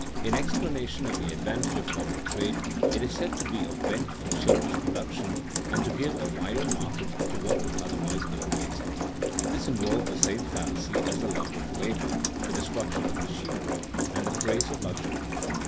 _ In explanation of the advantages of foreign trade it is said to be a vent for surplus production and to give a wider market to what would otherwise go to waste. This involves the same fallacy as the "lump of labor," the destruction of machinery, and the praise of luxury.